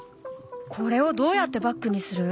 これをどうやってバッグにする？